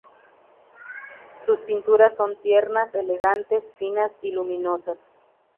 Sus pinturas son tiernas, elegantes, finas, y luminosas.